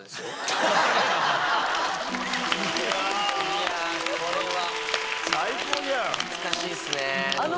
いやこれは。